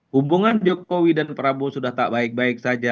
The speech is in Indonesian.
hubungan jokowi dan prabowo sudah tak baik baik saja